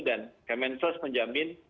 dan kementerian sosial menjamin